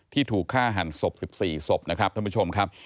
ถูกฆ่าหันศพ๑๔ศพนะครับท่านผู้ชมครับ